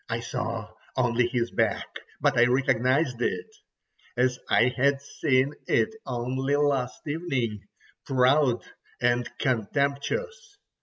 I saw only his back, but I recognized it as I had seen it only last evening, proud and contemptuous.